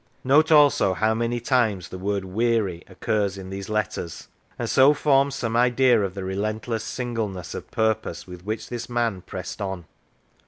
Note also how many times the word " weary " occurs in these letters, and so form some idea of the relentless singleness of purpose with which this man pressed on.